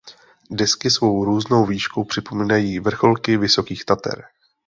Desky svou různou výškou připomínají vrcholky Vysokých Tater.